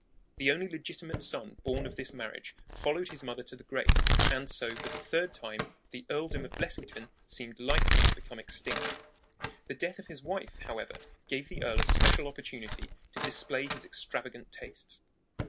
The only legitimate son born of this marriage followed his mother to the grave; and so for the third time the earldom of Blessington seemed likely to become extinct. The death of his wife, however, gave the earl a special opportunity to display his extravagant tastes.